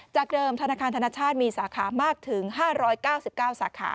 จากเดิมธนาคารธนชาติมีสาขามากถึง๕๙๙สาขา